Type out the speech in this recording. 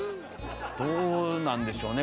どうなんでしょうね。